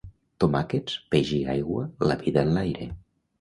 Tomàquets, peix i aigua, la vida enlaire.